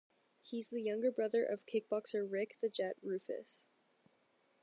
He is the younger brother of kickboxer Rick "The Jet" Roufus.